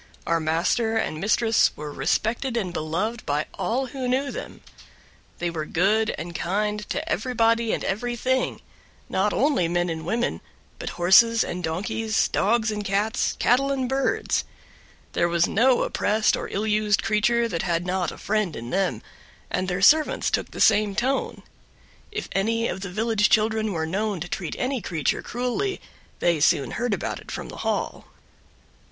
Our master and mistress were respected and beloved by all who knew them; they were good and kind to everybody and everything; not only men and women, but horses and donkeys, dogs and cats, cattle and birds; there was no oppressed or ill used creature that had not a friend in them, and their servants took the same tone. If any of the village children were known to treat any creature cruelly they soon heard about it from the Hall.